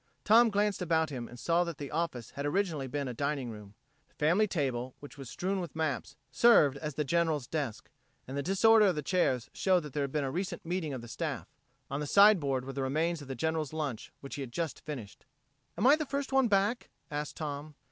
Tom glanced about him and saw that the office had originally been a dining room. The family table, which was strewn with maps, served as the General's desk, and the disorder of the chairs showed that there had been a recent meeting of the staff. On the sideboard were the remains of the General's lunch, which he had just finished. "Am I the first one back?" asked Tom.